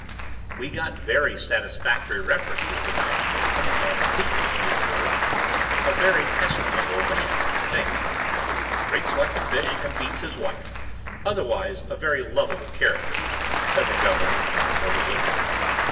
“We got very satisfactory references about you from Canon Teep,” she observed; “a very estimable man, I should think.” “Drinks like a fish and beats his wife, otherwise a very lovable character,” said the governess imperturbably.